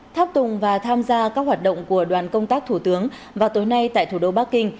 tháp tùng và tham gia các hoạt động của đoàn công tác thủ tướng vào tối nay tại thủ đô bắc kinh